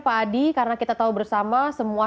pak adi karena kita tahu bersama semua